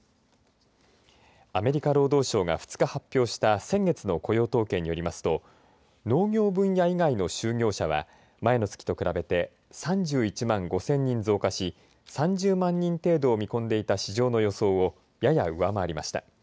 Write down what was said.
アメリカ労働省が２日発表した先月の雇用統計によりますと農業分野以外の就業者は前の月と比べて３１万５０００人増加し３０万人程度を見込んでいた市場の予想をやや、上回りました。